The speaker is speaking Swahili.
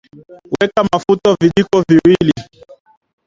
weka mafuta vijiko mbili